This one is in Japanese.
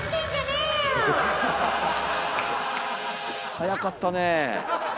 早かったねえ。